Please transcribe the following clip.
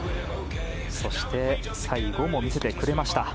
そして最後も見せてくれました。